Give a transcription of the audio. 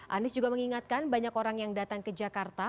anies juga mengingatkan banyak orang yang datang ke jakarta